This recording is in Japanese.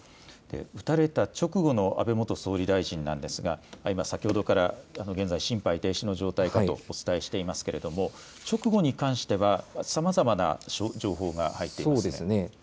撃たれた直後の安倍元総理大臣のですが先ほどから現在、心肺停止の状態かとお伝えしていますけれども直後に関してはさまざまな情報が入っていますね。